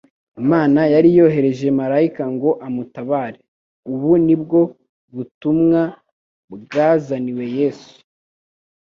Imana yari yohereje Marayika ngo amutabare; ubu nibwo butumwa bwazaniwe Yesu.